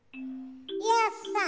家康さん